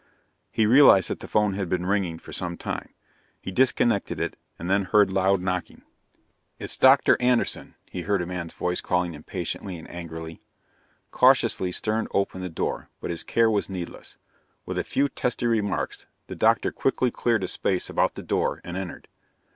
He realized that the phone had been ringing for some time. He disconnected it, and then heard loud knocking. "It's Dr. Anderson," he heard a man's voice calling impatiently and angrily. Cautiously, Stern opened the door, but his care was needless. With a few testy remarks, the doctor quickly cleared a space about the door and entered.